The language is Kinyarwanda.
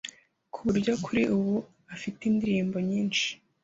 ku buryo kuri ubu afite indirimbo nyinshi